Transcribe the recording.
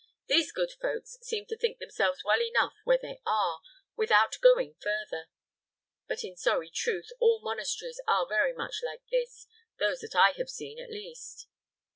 These good folks seem to think themselves well enough where they are, without going further. But in sorry truth, all monasteries are very much like this those that I have seen, at least."